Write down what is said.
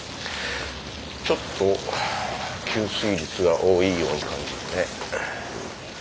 ちょっと吸水率が多いように感じるね。